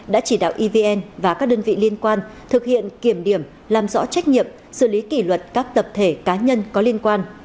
đã chỉ đạo evn và các đơn vị liên quan thực hiện kiểm điểm làm rõ trách nhiệm xử lý kỷ luật các tập thể cá nhân có liên quan